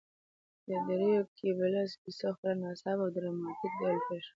د دریو ګيبلز کیسه خورا ناڅاپه او ډراماتیک ډول پیل شوه